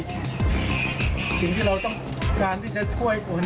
สิ่งที่เราต้องการที่จะช่วยคน